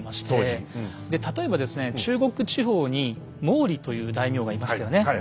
例えばですね中国地方に毛利という大名がいましたよね。